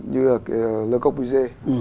như là le corbusier